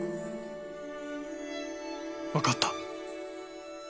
分かった。